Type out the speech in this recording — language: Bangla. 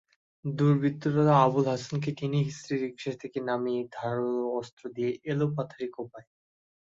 দুর্বৃত্তরা আবুল হাসানকে টেনেহিঁচড়ে রিকশা থেকে নামিয়ে ধারালো অস্ত্র দিয়ে এলোপাতাড়ি কোপায়।